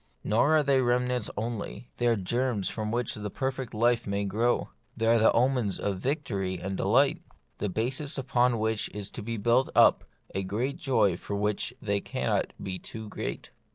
Nor are they remnants only ; they are germs from which the perfect life may grow ; they are the omens of victory and delight ; the basis upon. which is to be built up a joy for which they cannot be too great.